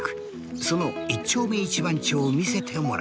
その一丁目一番地を見せてもらう。